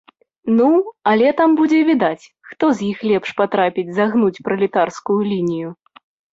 Ну, але там будзе відаць, хто з іх лепш патрапіць загнуць пралетарскую лінію!